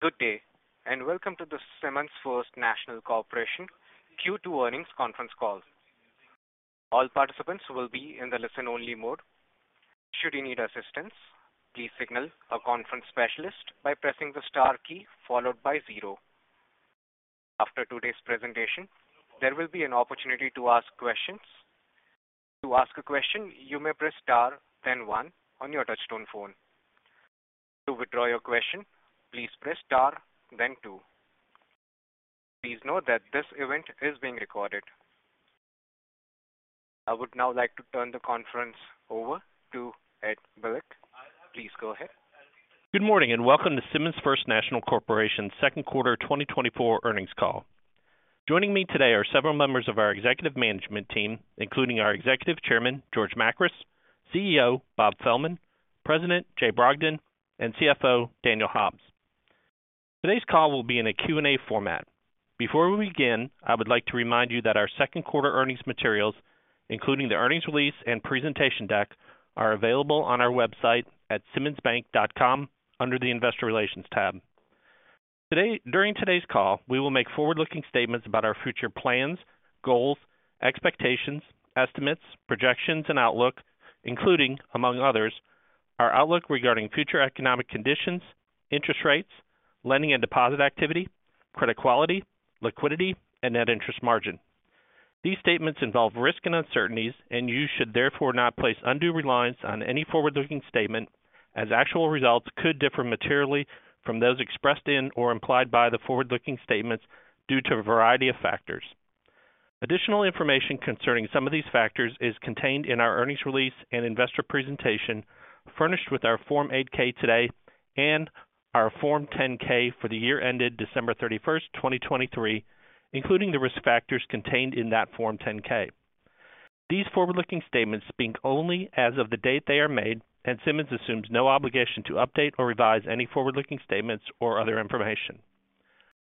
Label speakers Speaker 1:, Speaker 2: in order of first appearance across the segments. Speaker 1: Good day, and welcome to the Simmons First National Corporation Q2 earnings conference call. All participants will be in the listen-only mode. Should you need assistance, please signal a conference specialist by pressing the star key followed by zero. After today's presentation, there will be an opportunity to ask questions. To ask a question, you may press star, then one, on your touch-tone phone. To withdraw your question, please press star, then two. Please note that this event is being recorded. I would now like to turn the conference over to Ed Bilek. Please go ahead.
Speaker 2: Good morning, and welcome to Simmons First National Corporation's second quarter 2024 earnings call. Joining me today are several members of our executive management team, including our Executive Chairman, George Makris, CEO, Bob Fehlman, President, Jay Brogdon, and CFO, Daniel Hobbs. Today's call will be in a Q&A format. Before we begin, I would like to remind you that our second quarter earnings materials, including the earnings release and presentation deck, are available on our website at simmonsbank.com under the Investor Relations tab. During today's call, we will make forward-looking statements about our future plans, goals, expectations, estimates, projections, and outlook, including, among others, our outlook regarding future economic conditions, interest rates, lending and deposit activity, credit quality, liquidity, and net interest margin. These statements involve risk and uncertainties, and you should therefore not place undue reliance on any forward-looking statement, as actual results could differ materially from those expressed in or implied by the forward-looking statements due to a variety of factors. Additional information concerning some of these factors is contained in our earnings release and investor presentation, furnished with our Form 8-K today and our Form 10-K for the year ended December 31st, 2023, including the risk factors contained in that Form 10-K. These forward-looking statements speak only as of the date they are made, and Simmons assumes no obligation to update or revise any forward-looking statements or other information.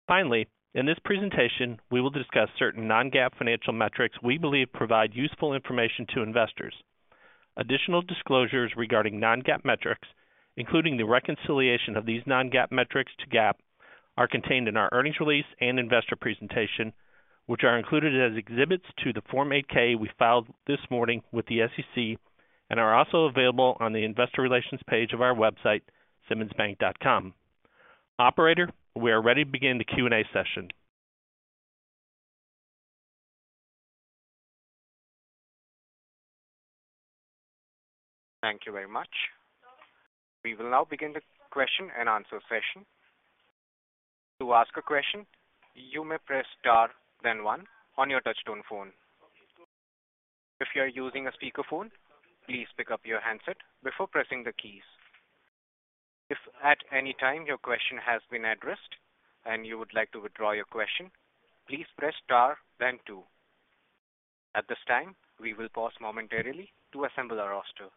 Speaker 2: Finally, in this presentation, we will discuss certain non-GAAP financial metrics we believe provide useful information to investors. Additional disclosures regarding Non-GAAP metrics, including the reconciliation of these Non-GAAP metrics to GAAP, are contained in our earnings release and investor presentation, which are included as exhibits to the Form 8-K we filed this morning with the SEC and are also available on the Investor Relations page of our website, simmonsbank.com. Operator, we are ready to begin the Q&A session.
Speaker 1: Thank you very much. We will now begin the question-and-answer session. To ask a question, you may press star, then one, on your touch-tone phone. If you are using a speakerphone, please pick up your handset before pressing the keys. If at any time your question has been addressed and you would like to withdraw your question, please press star, then two. At this time, we will pause momentarily to assemble our roster.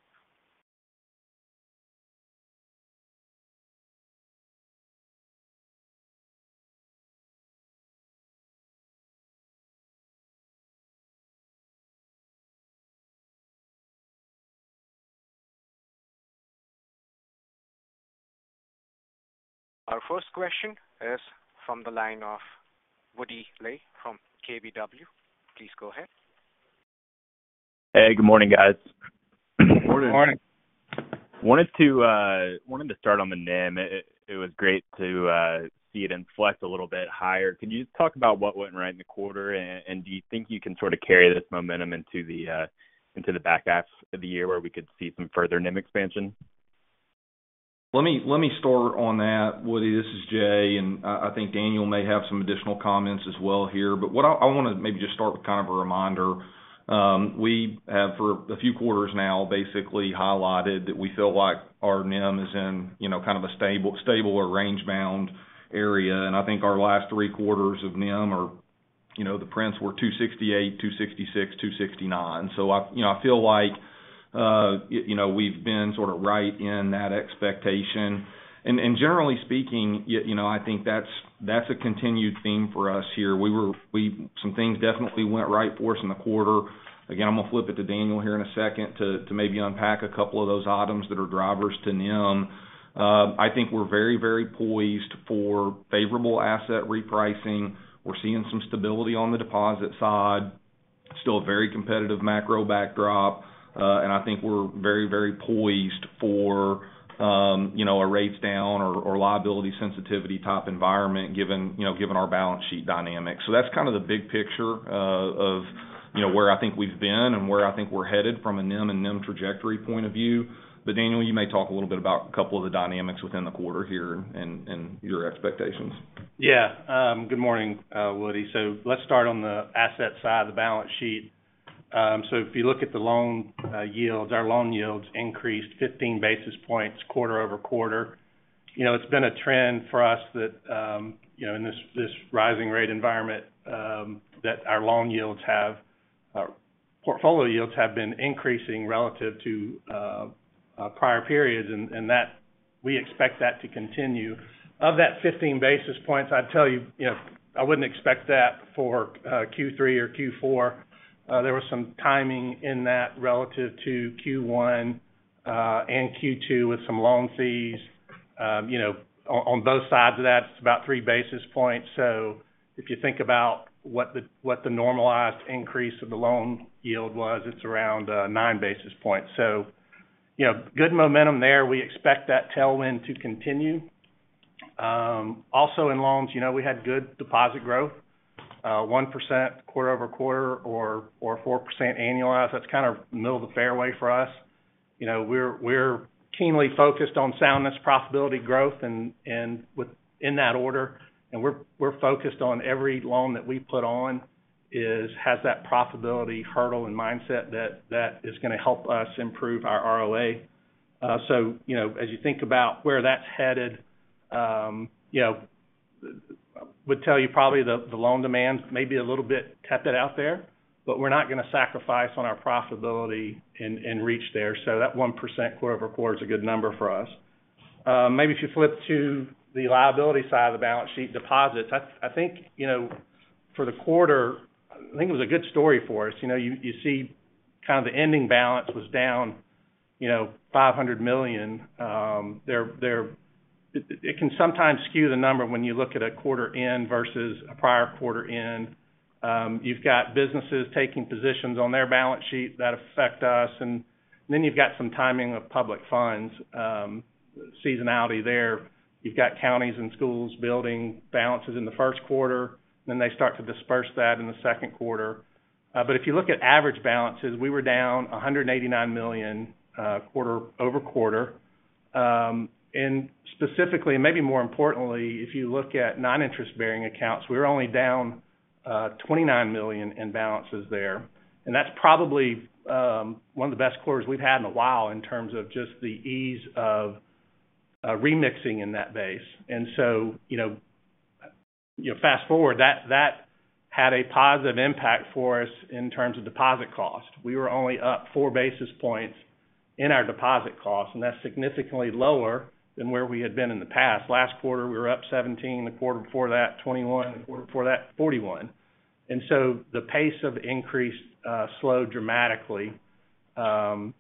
Speaker 1: Our first question is from the line of Woody Lay from KBW. Please go ahead.
Speaker 3: Hey, good morning, guys.
Speaker 4: Good morning.
Speaker 3: Good morning. Wanted to start on the NIM. It was great to see it inflect a little bit higher. Can you just talk about what went right in the quarter, and do you think you can sort of carry this momentum into the back half of the year where we could see some further NIM expansion?
Speaker 4: Let me start on that. Woody, this is Jay, and I think Daniel may have some additional comments as well here. I want to maybe just start with kind of a reminder. We have, for a few quarters now, basically highlighted that we feel like our NIM is in kind of a stable or range-bound area. I think our last three quarters of NIM, the prints were 268, 266, 269. I feel like we've been sort of right in that expectation. Generally speaking, I think that's a continued theme for us here. Some things definitely went right for us in the quarter. Again, I'm going to flip it to Daniel here in a second to maybe unpack a couple of those items that are drivers to NIM. I think we're very, very poised for favorable asset repricing. We're seeing some stability on the deposit side, still a very competitive macro backdrop. And I think we're very, very poised for a rates down or liability sensitivity type environment given our balance sheet dynamics. So that's kind of the big picture of where I think we've been and where I think we're headed from a NIM and NIM trajectory point of view. But Daniel, you may talk a little bit about a couple of the dynamics within the quarter here and your expectations.
Speaker 5: Yeah. Good morning, Woody. Let's start on the asset side, the balance sheet. If you look at the loan yields, our loan yields increased 15 basis points quarter-over-quarter. It's been a trend for us that in this rising rate environment that our loan yields have, portfolio yields have been increasing relative to prior periods, and we expect that to continue. Of that 15 basis points, I'd tell you I wouldn't expect that for Q3 or Q4. There was some timing in that relative to Q1 and Q2 with some loan fees. On both sides of that, it's about three basis points. If you think about what the normalized increase of the loan yield was, it's around nine basis points. Good momentum there. We expect that tailwind to continue. Also, in loans, we had good deposit growth, 1% quarter-over-quarter or 4% annualized. That's kind of middle of the fairway for us. We're keenly focused on soundness, profitability, growth, and in that order. And we're focused on every loan that we put on has that profitability hurdle in mindset that is going to help us improve our ROA. So as you think about where that's headed, I would tell you probably the loan demands may be a little bit tepid out there, but we're not going to sacrifice on our profitability and reach there. So that 1% quarter-over-quarter is a good number for us. Maybe if you flip to the liability side of the balance sheet, deposits, I think for the quarter, I think it was a good story for us. You see kind of the ending balance was down $500 million. It can sometimes skew the number when you look at a quarter end versus a prior quarter end. You've got businesses taking positions on their balance sheet that affect us. And then you've got some timing of public funds, seasonality there. You've got counties and schools building balances in the first quarter, and then they start to disperse that in the second quarter. But if you look at average balances, we were down $189 million quarter-over-quarter. And specifically, and maybe more importantly, if you look at non-interest-bearing accounts, we were only down $29 million in balances there. And that's probably one of the best quarters we've had in a while in terms of just the ease of remixing in that base. And so fast forward, that had a positive impact for us in terms of deposit cost. We were only up 4 basis points in our deposit cost, and that's significantly lower than where we had been in the past. Last quarter, we were up 17. The quarter before that, 21. The quarter before that, 41. And so the pace of increase slowed dramatically. And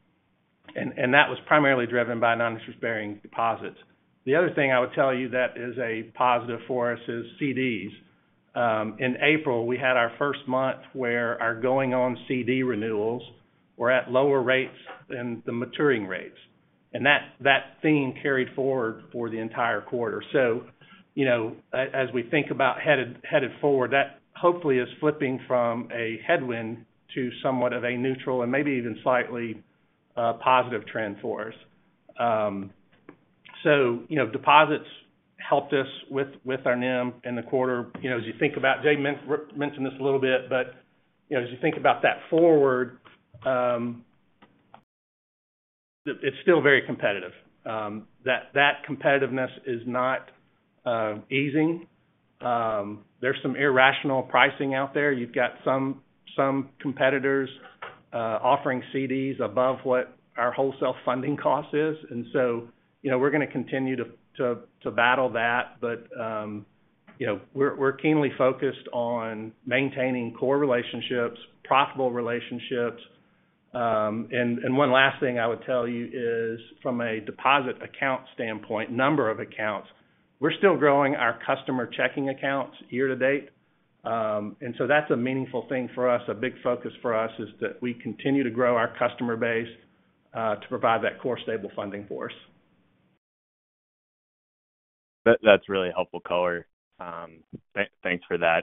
Speaker 5: that was primarily driven by non-interest-bearing deposits. The other thing I would tell you that is a positive for us is CDs. In April, we had our first month where our ongoing CD renewals were at lower rates than the maturing rates. And that theme carried forward for the entire quarter. So as we think about headed forward, that hopefully is flipping from a headwind to somewhat of a neutral and maybe even slightly positive trend for us. So deposits helped us with our NIM in the quarter. As you think about, Jay mentioned this a little bit, but as you think about that forward, it's still very competitive. That competitiveness is not easing. There's some irrational pricing out there. You've got some competitors offering CDs above what our wholesale funding cost is. So we're going to continue to battle that, but we're keenly focused on maintaining core relationships, profitable relationships. One last thing I would tell you is from a deposit account standpoint, number of accounts, we're still growing our customer checking accounts year-to-date. So that's a meaningful thing for us. A big focus for us is that we continue to grow our customer base to provide that core stable funding for us.
Speaker 3: That's really helpful, color. Thanks for that.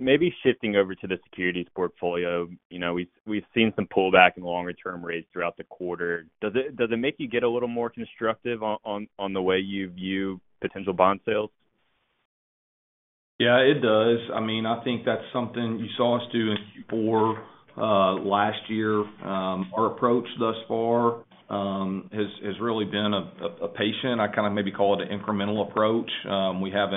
Speaker 3: Maybe shifting over to the securities portfolio, we've seen some pullback in longer-term rates throughout the quarter. Does it make you get a little more constructive on the way you view potential bond sales?
Speaker 4: Yeah, it does. I mean, I think that's something you saw us doing Q4 last year. Our approach thus far has really been a patient. I kind of maybe call it an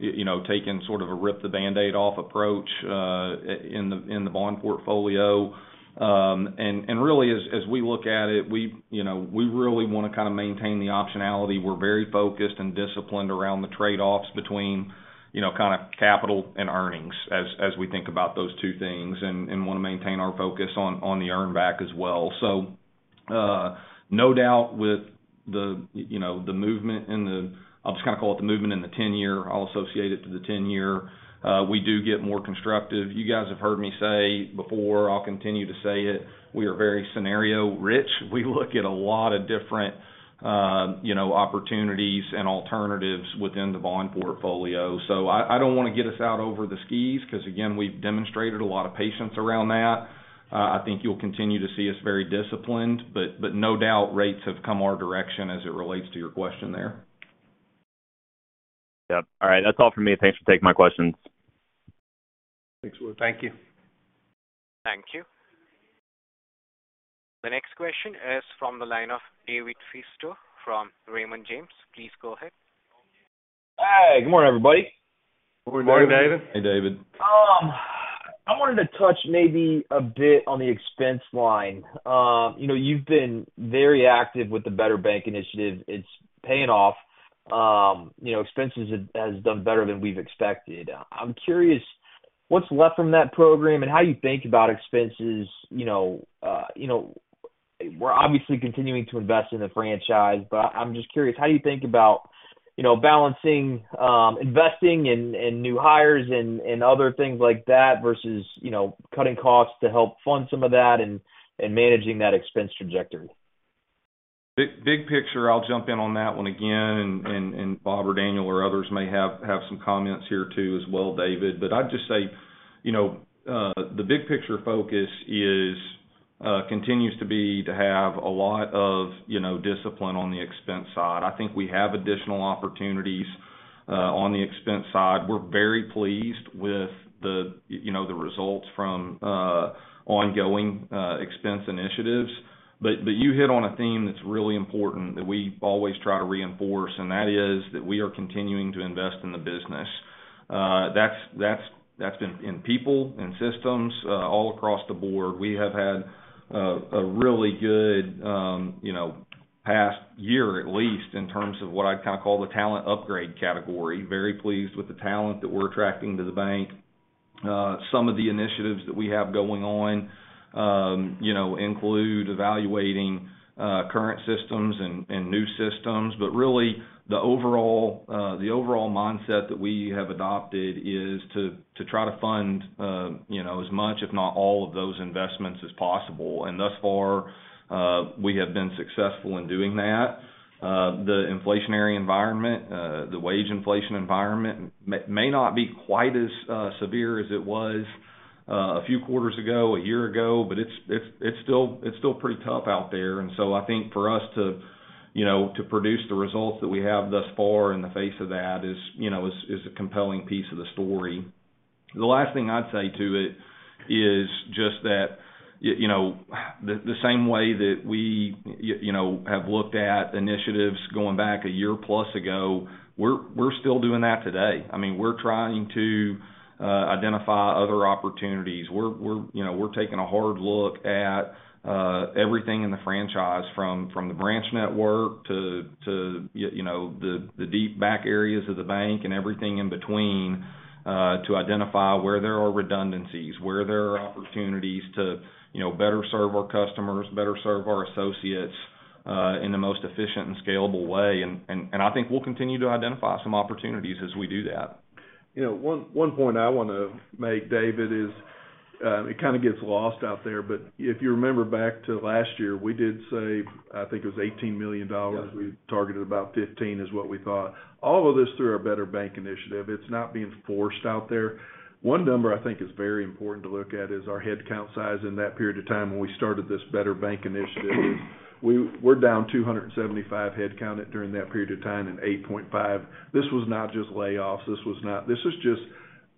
Speaker 4: incremental approach. We haven't taken sort of a rip the Band-Aid off approach in the bond portfolio. And really, as we look at it, we really want to kind of maintain the optionality. We're very focused and disciplined around the trade-offs between kind of capital and earnings as we think about those two things and want to maintain our focus on the earnback as well. So no doubt with the movement in the, I'll just kind of call it the movement in the 10-year, I'll associate it to the 10-year, we do get more constructive. You guys have heard me say before, I'll continue to say it, we are very scenario-rich. We look at a lot of different opportunities and alternatives within the bond portfolio. So I don't want to get us out over the skis because, again, we've demonstrated a lot of patience around that. I think you'll continue to see us very disciplined, but no doubt rates have come our direction as it relates to your question there.
Speaker 3: Yep. All right. That's all for me. Thanks for taking my questions.
Speaker 5: Thanks, Woody.
Speaker 4: Thank you.
Speaker 1: Thank you. The next question is from the line of David Feaster from Raymond James. Please go ahead.
Speaker 6: Hi. Good morning, everybody.
Speaker 5: Good morning, David.
Speaker 4: Hey, David.
Speaker 6: I wanted to touch maybe a bit on the expense line. You've been very active with the better bank initiative. It's paying off. Expenses has done better than we've expected. I'm curious what's left from that program and how you think about expenses. We're obviously continuing to invest in the franchise, but I'm just curious, how do you think about balancing investing and new hires and other things like that versus cutting costs to help fund some of that and managing that expense trajectory?
Speaker 4: Big picture, I'll jump in on that one again. And Bob or Daniel or others may have some comments here too as well, David. But I'd just say the big picture focus continues to be to have a lot of discipline on the expense side. I think we have additional opportunities on the expense side. We're very pleased with the results from ongoing expense initiatives. But you hit on a theme that's really important that we always try to reinforce, and that is that we are continuing to invest in the business. That's been in people and systems all across the board. We have had a really good past year, at least in terms of what I'd kind of call the talent upgrade category. Very pleased with the talent that we're attracting to the bank. Some of the initiatives that we have going on include evaluating current systems and new systems. But really, the overall mindset that we have adopted is to try to fund as much, if not all, of those investments as possible. And thus far, we have been successful in doing that. The inflationary environment, the wage inflation environment may not be quite as severe as it was a few quarters ago, a year ago, but it's still pretty tough out there. And so I think for us to produce the results that we have thus far in the face of that is a compelling piece of the story. The last thing I'd say to it is just that the same way that we have looked at initiatives going back a year plus ago, we're still doing that today. I mean, we're trying to identify other opportunities. We're taking a hard look at everything in the franchise from the branch network to the deep back areas of the bank and everything in between to identify where there are redundancies, where there are opportunities to better serve our customers, better serve our associates in the most efficient and scalable way. I think we'll continue to identify some opportunities as we do that.
Speaker 5: One point I want to make, David, is it kind of gets lost out there, but if you remember back to last year, we did say, I think it was $18 million. We targeted about $15 million is what we thought. All of this through our better bank initiative. It's not being forced out there. One number I think is very important to look at is our headcount size in that period of time when we started this better bank initiative. We're down 275 headcount during that period of time and 8.5%. This was not just layoffs. This was just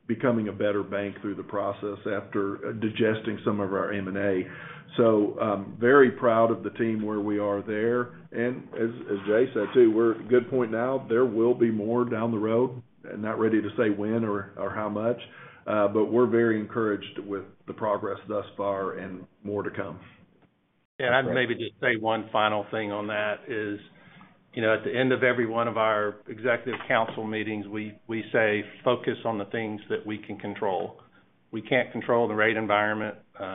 Speaker 5: becoming a better bank through the process after digesting some of our M&A. So very proud of the team where we are there. And as Jay said too, we're at a good point now. There will be more down the road. I'm not ready to say when or how much, but we're very encouraged with the progress thus far and more to come.
Speaker 7: Yeah. I'd maybe just say one final thing on that is at the end of every one of our executive council meetings, we say, "Focus on the things that we can control." We can't control the rate environment. There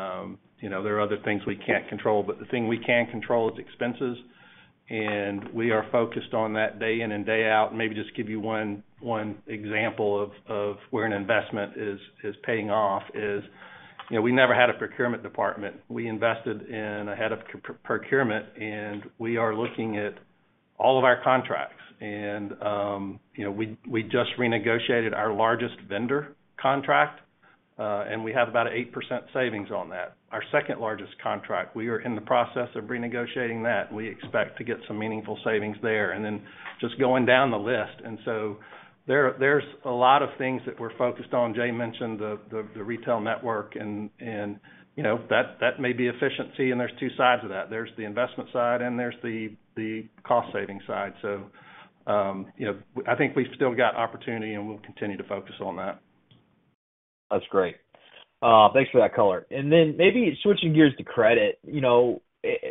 Speaker 7: are other things we can't control, but the thing we can control is expenses. We are focused on that day in and day out. Maybe just give you one example of where an investment is paying off is we never had a procurement department. We invested in a head of procurement, and we are looking at all of our contracts. We just renegotiated our largest vendor contract, and we have about eight% savings on that. Our second largest contract, we are in the process of renegotiating that. We expect to get some meaningful savings there. Then just going down the list. And so there's a lot of things that we're focused on. Jay mentioned the retail network, and that may be efficiency. And there's two sides of that. There's the investment side, and there's the cost-saving side. So I think we've still got opportunity, and we'll continue to focus on that.
Speaker 6: That's great. Thanks for that, color. And then maybe switching gears to credit, the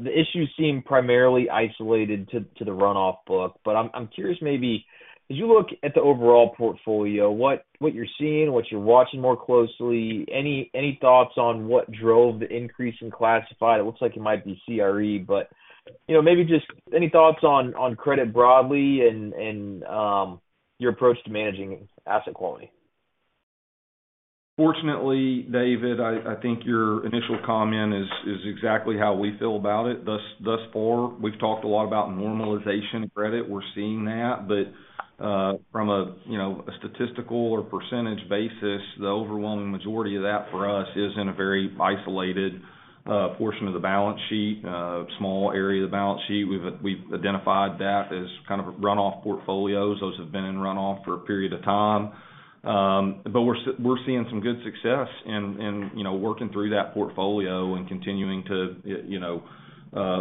Speaker 6: issues seem primarily isolated to the runoff book. But I'm curious maybe, as you look at the overall portfolio, what you're seeing, what you're watching more closely, any thoughts on what drove the increase in classified? It looks like it might be CRE, but maybe just any thoughts on credit broadly and your approach to managing asset quality?
Speaker 4: Fortunately, David, I think your initial comment is exactly how we feel about it. Thus far, we've talked a lot about normalization of credit. We're seeing that. But from a statistical or percentage basis, the overwhelming majority of that for us is in a very isolated portion of the balance sheet, small area of the balance sheet. We've identified that as kind of runoff portfolios. Those have been in runoff for a period of time. But we're seeing some good success in working through that portfolio and continuing to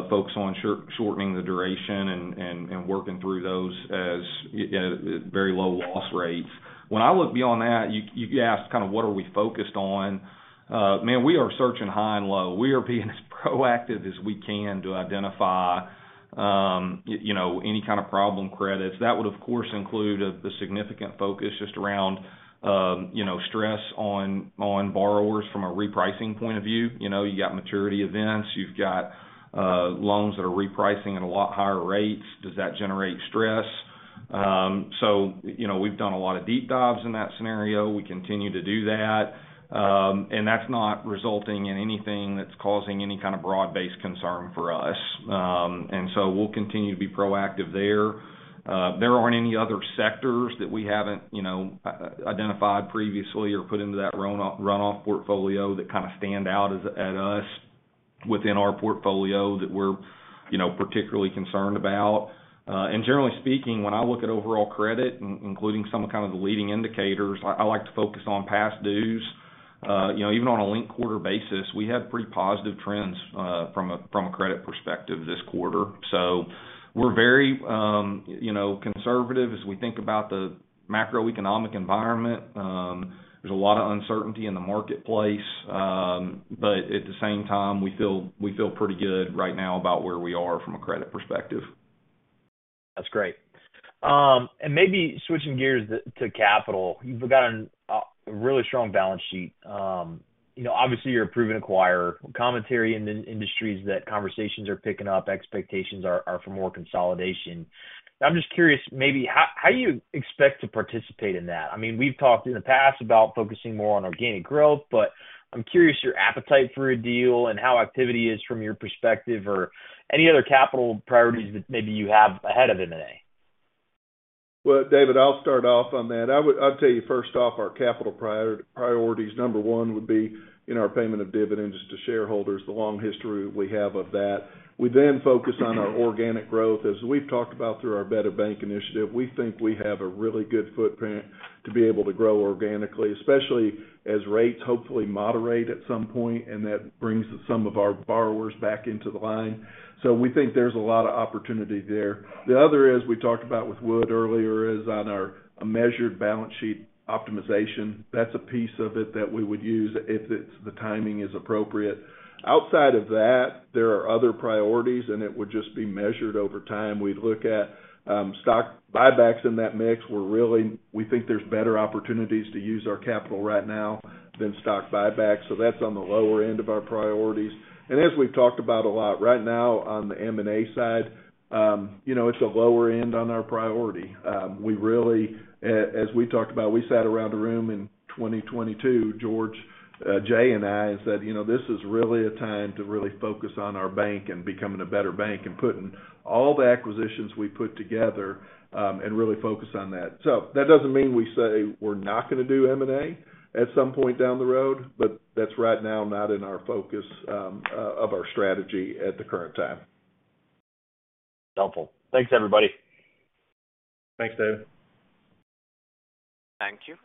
Speaker 4: focus on shortening the duration and working through those at very low loss rates. When I look beyond that, you asked kind of what are we focused on? Man, we are searching high and low. We are being as proactive as we can to identify any kind of problem credits. That would, of course, include a significant focus just around stress on borrowers from a repricing point of view. You got maturity events. You've got loans that are repricing at a lot higher rates. Does that generate stress? So we've done a lot of deep dives in that scenario. We continue to do that. And that's not resulting in anything that's causing any kind of broad-based concern for us. And so we'll continue to be proactive there. There aren't any other sectors that we haven't identified previously or put into that runoff portfolio that kind of stand out at us within our portfolio that we're particularly concerned about. And generally speaking, when I look at overall credit, including some of kind of the leading indicators, I like to focus on past dues. Even on a link quarter basis, we had pretty positive trends from a credit perspective this quarter. So we're very conservative as we think about the macroeconomic environment. There's a lot of uncertainty in the marketplace. But at the same time, we feel pretty good right now about where we are from a credit perspective.
Speaker 6: That's great. And maybe switching gears to capital, you've got a really strong balance sheet. Obviously, you're a proven acquirer. Commentary in the industries that conversations are picking up, expectations are for more consolidation. I'm just curious maybe how you expect to participate in that. I mean, we've talked in the past about focusing more on organic growth, but I'm curious your appetite for a deal and how activity is from your perspective or any other capital priorities that maybe you have ahead of M&A.
Speaker 5: Well, David, I'll start off on that. I'll tell you first off, our capital priorities, number one would be in our payment of dividends to shareholders, the long history we have of that. We then focus on our organic growth. As we've talked about through our better bank initiative, we think we have a really good footprint to be able to grow organically, especially as rates hopefully moderate at some point, and that brings some of our borrowers back into the line. So we think there's a lot of opportunity there. The other is we talked about with Woody earlier is on our measured balance sheet optimization. That's a piece of it that we would use if the timing is appropriate. Outside of that, there are other priorities, and it would just be measured over time. We'd look at stock buybacks in that mix. We think there's better opportunities to use our capital right now than stock buybacks. So that's on the lower end of our priorities. As we've talked about a lot, right now on the M&A side, it's a lower end on our priority. As we talked about, we sat around a room in 2022, George, Jay, and I said, "This is really a time to really focus on our bank and becoming a better bank and putting all the acquisitions we put together and really focus on that." So that doesn't mean we say we're not going to do M&A at some point down the road, but that's right now not in our focus of our strategy at the current time.
Speaker 6: Helpful. Thanks, everybody.
Speaker 5: Thanks, David.
Speaker 1: Thank you.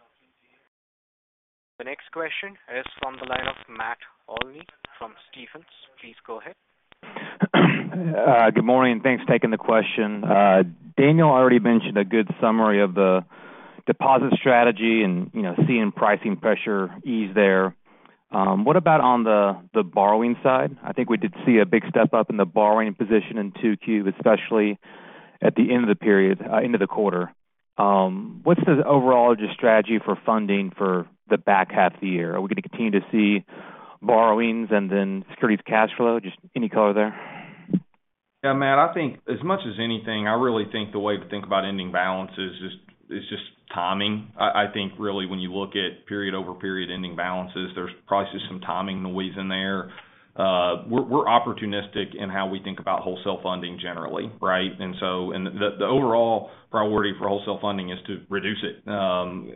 Speaker 1: The next question is from the line of Matt Olney from Stephens. Please go ahead.
Speaker 8: Good morning. Thanks for taking the question. Daniel already mentioned a good summary of the deposit strategy and seeing pricing pressure ease there. What about on the borrowing side? I think we did see a big step up in the borrowing position in 2Q, especially at the end of the period, end of the quarter. What's the overall just strategy for funding for the back half of the year? Are we going to continue to see borrowings and then securities cash flow? Just any color there.
Speaker 4: Yeah, Matt, I think as much as anything, I really think the way to think about ending balances is just timing. I think really when you look at period-over-period ending balances, there's probably just some timing noise in there. We're opportunistic in how we think about wholesale funding generally, right? And so the overall priority for wholesale funding is to reduce it,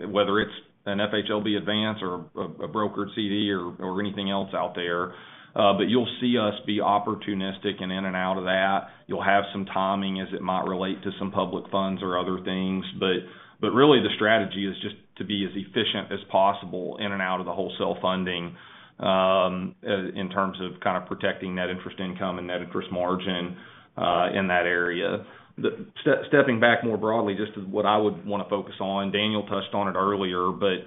Speaker 4: whether it's an FHLB advance or a brokered CD or anything else out there. But you'll see us be opportunistic and in and out of that. You'll have some timing as it might relate to some public funds or other things. But really, the strategy is just to be as efficient as possible in and out of the wholesale funding in terms of kind of protecting net interest income and net interest margin in that area. Stepping back more broadly, just what I would want to focus on, Daniel touched on it earlier, but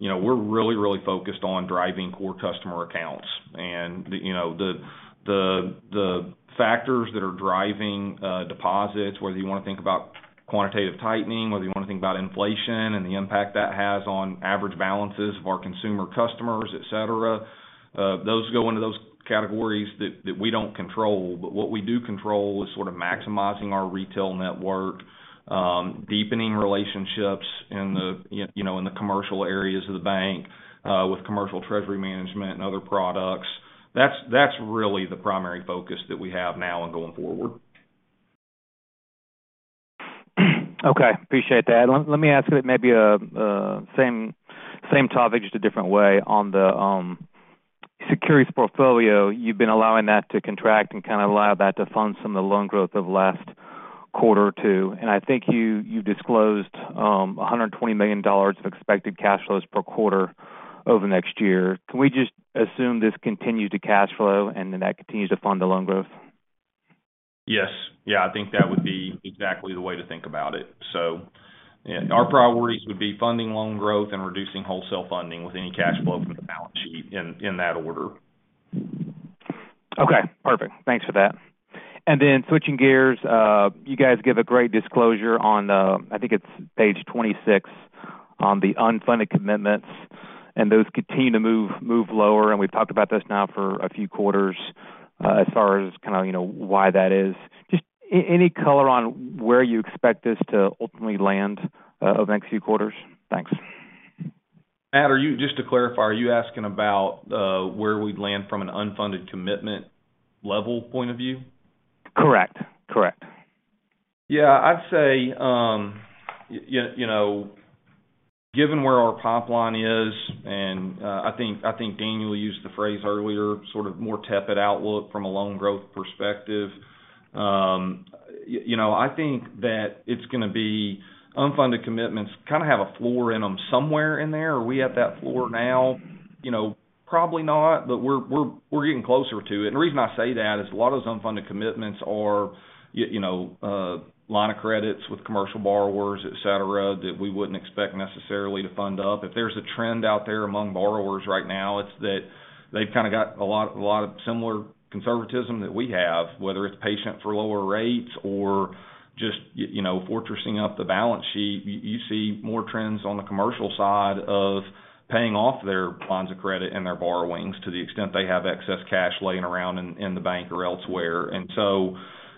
Speaker 4: we're really, really focused on driving core customer accounts. The factors that are driving deposits, whether you want to think about quantitative tightening, whether you want to think about inflation and the impact that has on average balances of our consumer customers, etc., those go into those categories that we don't control. What we do control is sort of maximizing our retail network, deepening relationships in the commercial areas of the bank with commercial treasury management and other products. That's really the primary focus that we have now and going forward.
Speaker 8: Okay. Appreciate that. Let me ask, maybe same topic, just a different way. On the securities portfolio, you've been allowing that to contract and kind of allow that to fund some of the loan growth of last quarter or two. And I think you've disclosed $120 million of expected cash flows per quarter over the next year. Can we just assume this continues to cash flow and then that continues to fund the loan growth?
Speaker 4: Yes. Yeah. I think that would be exactly the way to think about it. So our priorities would be funding loan growth and reducing wholesale funding with any cash flow from the balance sheet in that order.
Speaker 8: Okay. Perfect. Thanks for that. And then switching gears, you guys give a great disclosure on, I think it's page 26, on the unfunded commitments, and those continue to move lower. And we've talked about this now for a few quarters as far as kind of why that is. Just any color on where you expect this to ultimately land over the next few quarters? Thanks.
Speaker 4: Matt, just to clarify, are you asking about where we'd land from an unfunded commitment level point of view?
Speaker 8: Correct. Correct.
Speaker 4: Yeah. I'd say given where our pipeline is, and I think Daniel used the phrase earlier, sort of more tepid outlook from a loan growth perspective, I think that it's going to be unfunded commitments kind of have a floor in them somewhere in there. Are we at that floor now? Probably not, but we're getting closer to it. And the reason I say that is a lot of those unfunded commitments are line of credits with commercial borrowers, etc., that we wouldn't expect necessarily to fund up. If there's a trend out there among borrowers right now, it's that they've kind of got a lot of similar conservatism that we have, whether it's patient for lower rates or just fortressing up the balance sheet. You see more trends on the commercial side of paying off their lines of credit and their borrowings to the extent they have excess cash laying around in the bank or elsewhere. And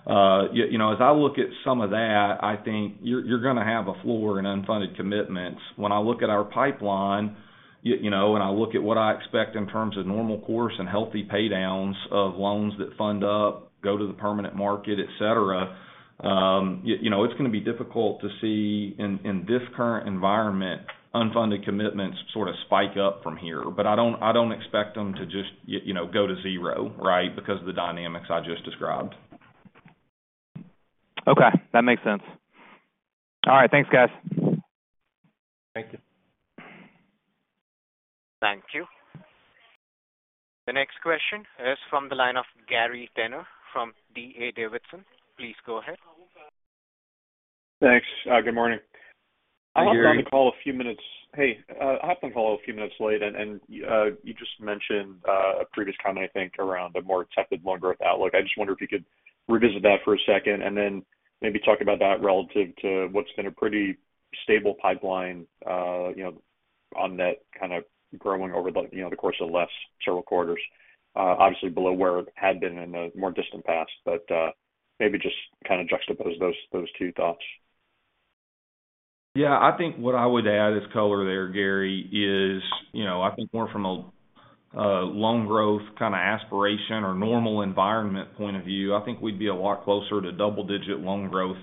Speaker 4: so as I look at some of that, I think you're going to have a floor in unfunded commitments. When I look at our pipeline and I look at what I expect in terms of normal course and healthy paydowns of loans that fund up, go to the permanent market, etc., it's going to be difficult to see in this current environment unfunded commitments sort of spike up from here. But I don't expect them to just go to zero, right, because of the dynamics I just described.
Speaker 8: Okay. That makes sense. All right. Thanks, guys.
Speaker 4: Thank you.
Speaker 1: Thank you. The next question is from the line of Gary Tenner from D.A. Davidson. Please go ahead.
Speaker 9: Thanks. Good morning. I'm on the call a few minutes. Hey, I hope I'm a few minutes late. You just mentioned a previous comment, I think, around a more accepted loan growth outlook. I just wonder if you could revisit that for a second and then maybe talk about that relative to what's been a pretty stable pipeline on that kind of growing over the course of the last several quarters, obviously below where it had been in the more distant past, but maybe just kind of juxtapose those two thoughts.
Speaker 4: Yeah. I think what I would add as color there, Gary, is I think more from a loan growth kind of aspiration or normal environment point of view, I think we'd be a lot closer to double-digit loan growth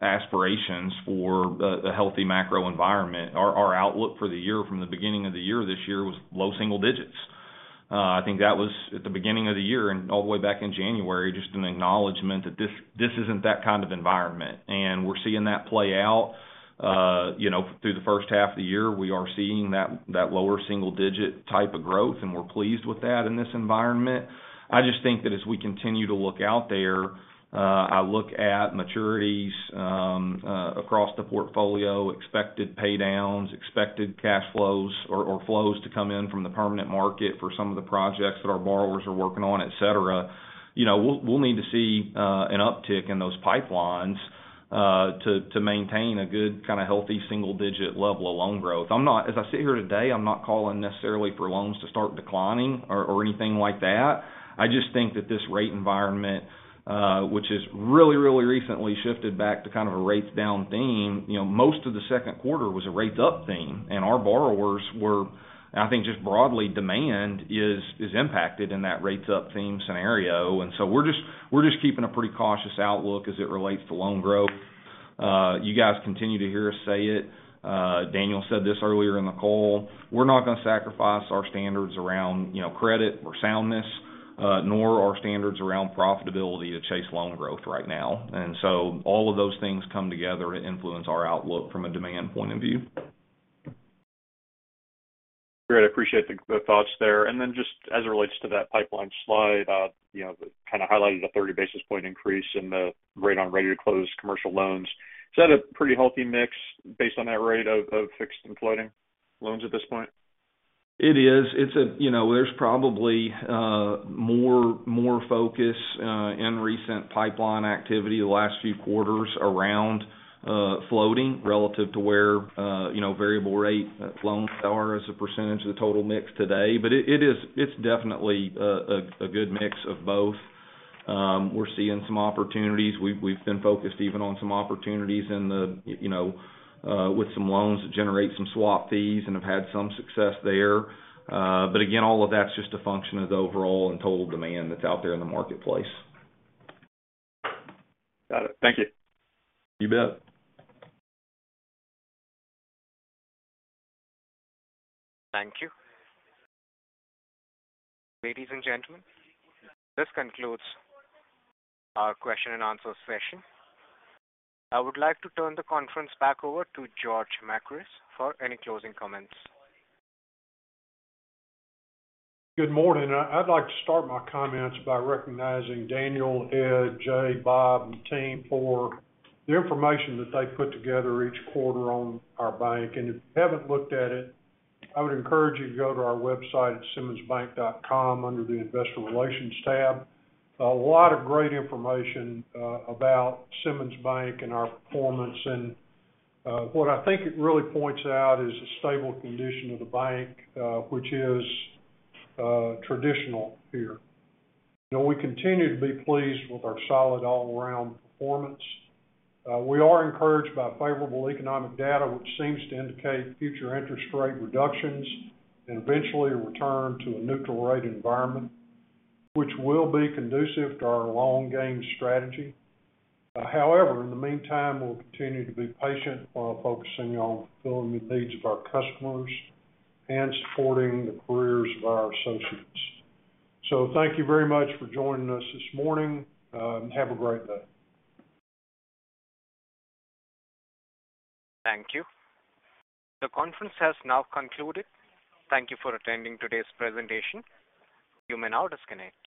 Speaker 4: aspirations for a healthy macro environment. Our outlook for the year from the beginning of the year this year was low single digits. I think that was at the beginning of the year and all the way back in January, just an acknowledgment that this isn't that kind of environment. And we're seeing that play out through the first half of the year. We are seeing that lower single-digit type of growth, and we're pleased with that in this environment. I just think that as we continue to look out there, I look at maturities across the portfolio, expected paydowns, expected cash flows or flows to come in from the permanent market for some of the projects that our borrowers are working on, etc. We'll need to see an uptick in those pipelines to maintain a good kind of healthy single-digit level of loan growth. As I sit here today, I'm not calling necessarily for loans to start declining or anything like that. I just think that this rate environment, which has really, really recently shifted back to kind of a rates down theme, most of the second quarter was a rates up theme. And our borrowers were, I think, just broadly, demand is impacted in that rates up theme scenario. And so we're just keeping a pretty cautious outlook as it relates to loan growth. You guys continue to hear us say it. Daniel said this earlier in the call. We're not going to sacrifice our standards around credit or soundness, nor our standards around profitability to chase loan growth right now. And so all of those things come together to influence our outlook from a demand point of view.
Speaker 9: Great. I appreciate the thoughts there. And then just as it relates to that pipeline slide, kind of highlighted a 30 basis points increase in the rate on ready to close commercial loans. Is that a pretty healthy mix based on that rate of fixed and floating loans at this point?
Speaker 4: It is. There's probably more focus in recent pipeline activity the last few quarters around floating relative to where variable rate loans are as a percentage of the total mix today. But it's definitely a good mix of both. We're seeing some opportunities. We've been focused even on some opportunities with some loans that generate some swap fees and have had some success there. But again, all of that's just a function of the overall and total demand that's out there in the marketplace.
Speaker 9: Got it. Thank you.
Speaker 4: You bet.
Speaker 1: Thank you. Ladies and gentlemen, this concludes our question and answer session. I would like to turn the conference back over to George Makris for any closing comments.
Speaker 10: Good morning. I'd like to start my comments by recognizing Daniel, Ed, Jay, Bob, and the team for the information that they put together each quarter on our bank. If you haven't looked at it, I would encourage you to go to our website at simmonsbank.com under the investor relations tab. A lot of great information about Simmons Bank and our performance. What I think it really points out is the stable condition of the bank, which is traditional here. We continue to be pleased with our solid all-around performance. We are encouraged by favorable economic data, which seems to indicate future interest rate reductions and eventually a return to a neutral rate environment, which will be conducive to our long-game strategy. However, in the meantime, we'll continue to be patient while focusing on fulfilling the needs of our customers and supporting the careers of our associates. Thank you very much for joining us this morning. Have a great day.
Speaker 1: Thank you. The conference has now concluded. Thank you for attending today's presentation. You may now disconnect.